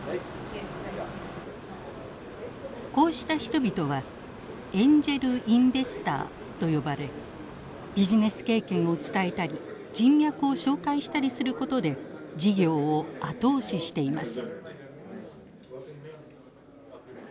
こうした人々はエンジェル・インベスターと呼ばれビジネス経験を伝えたり人脈を紹介したりすることで事業を後押ししています。